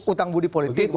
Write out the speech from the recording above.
utang budi politik